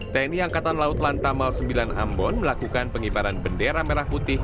tni angkatan laut lantamal sembilan ambon melakukan pengibaran bendera merah putih